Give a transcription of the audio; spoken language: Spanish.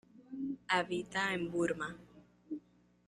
Habita en Burma.